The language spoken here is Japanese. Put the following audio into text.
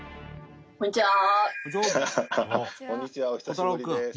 こんにちは。